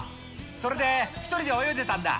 それで１人で泳いでたんだ。